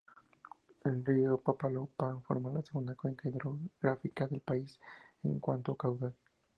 El río Papaloapan forma la segunda cuenca hidrográfica del país, en cuanto a caudal.